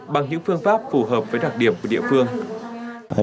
bằng những phương pháp phù hợp với đặc điểm của địa phương